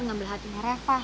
ngambil hatinya reva